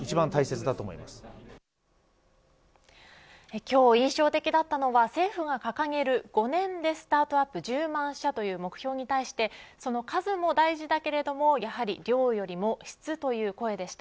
今日印象的だったのは政府が掲げる５年でスタートアップ１０万社という目標に対してその数も大事だけれどもやはり量よりも質という声でした。